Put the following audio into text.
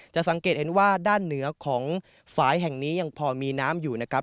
สังเกตเห็นว่าด้านเหนือของฝ่ายแห่งนี้ยังพอมีน้ำอยู่นะครับ